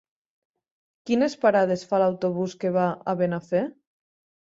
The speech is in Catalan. Quines parades fa l'autobús que va a Benafer?